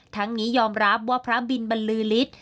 ทั้งนี้ยอมรับว่าพระบินบรรลือฤทธิ์